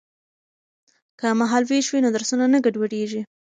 که مهال ویش وي نو درسونه نه ګډوډیږي.